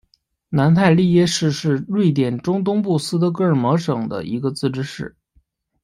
南泰利耶市是瑞典中东部斯德哥尔摩省的一个自治市。